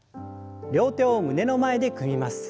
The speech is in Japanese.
両手を胸の前で組みます。